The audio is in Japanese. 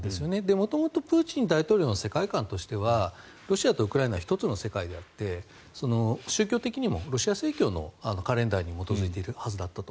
元々、プーチン大統領の世界観としてはロシアとウクライナは１つの世界であって宗教的にもロシア正教のカレンダーに基づいているはずだったと。